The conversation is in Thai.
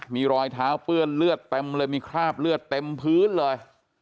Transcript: มีรอยเท้าเปื้อนเลือดเต็มเลยมีคราบเลือดเต็มพื้นเลย